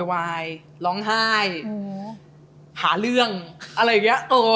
ขึ้นคิดเหมือนกันเลย